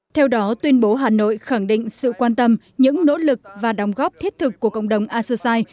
theo đó tuyên bố hà nội khẳng định sự quan tâm những nỗ lực và đóng góp thiết thực của cộng đồng associati